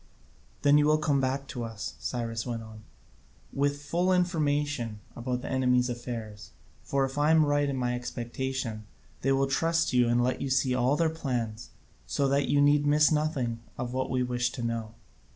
"Then you will come back to us," Cyrus went on, "with full information about the enemy's affairs; for, if I am right in my expectation, they will trust you and let you see all their plans, so that you need miss nothing of what we wish to know."